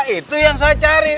itu yang saya cari